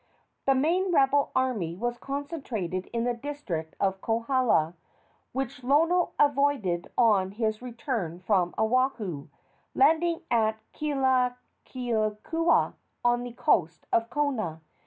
The main rebel army was concentrated in the district of Kohala, which Lono avoided on his return from Oahu, landing at Kealakeakua, on the coast of Kona.